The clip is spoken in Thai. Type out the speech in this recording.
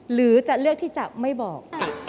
หรือจะเลือกที่จะไม่บอก